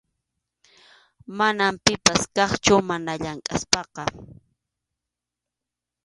Mana pipas kaqchu mana llamk’aspaqa.